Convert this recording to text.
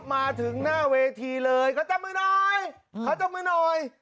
มาถึงหน้าเวทีเลยเขาจับมือหน่อยเขาจับมือหน่อย